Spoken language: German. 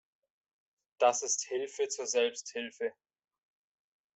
Das ist Hilfe zur Selbsthilfe.